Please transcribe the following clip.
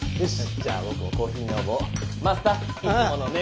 じゃあぼくもコーヒー飲もう！マスターいつものね。